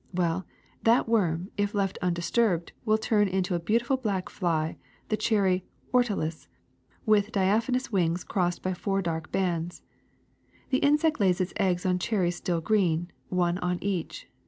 Well, that worm, if left undisturbed, will turn into a beautiful black fly, the cherry ortalis^ with diaphanous wings crossed by four dark bands. The insect lays its eggs on cherries still green, one on each.